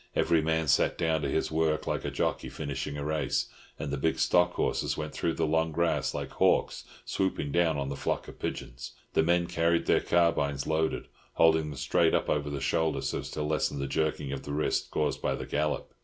Every man sat down to his work like a jockey finishing a race, and the big stock horses went through the long grass like hawks swooping down on a flock of pigeons. The men carried their carbines loaded, holding them straight up over the shoulder so as to lessen the jerking of the wrist caused by the gallop.